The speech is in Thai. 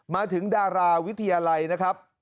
มาถึงดาราวิทยาลัยนะครับ